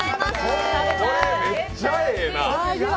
これめっちゃええな。